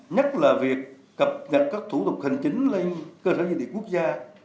nhất là việc cập nhật các thủ tục hình chính lên cơ sở diện tịch quốc gia